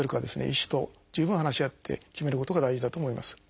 医師と十分話し合って決めることが大事だと思います。